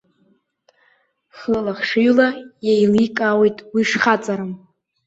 Хылахшыҩла иеиликаауеит уи шхаҵарам.